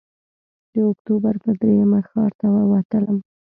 د اکتوبر پر درېیمه ښار ته ووتلم.